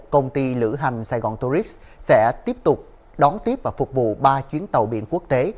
công ty lữ hành saigon tourist sẽ tiếp tục đón tiếp và phục vụ ba chuyến tàu biển quốc tế